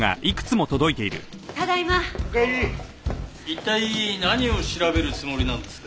一体何を調べるつもりなんです？